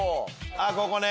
あっここね。